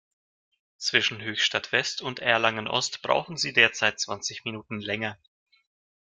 Zwischen Höchstadt-West und Erlangen-Ost brauchen Sie derzeit zwanzig Minuten länger.